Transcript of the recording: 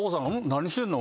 何してんの？